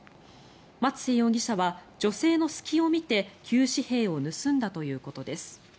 松瀬容疑者は女性の隙を見て旧紙幣を盗んだということです。